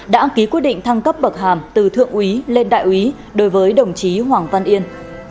đã ký quyết định thăng cấp bậc hàm từ thượng úy lên đại úy đối với đồng chí hoàng văn yên